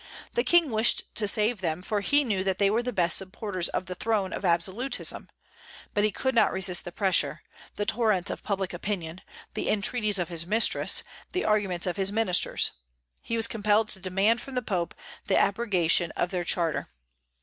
The King wished to save them, for he knew that they were the best supporters of the throne of absolutism. But he could not resist the pressure, the torrent of public opinion, the entreaties of his mistress, the arguments of his ministers. He was compelled to demand from the Pope the abrogation of their charter.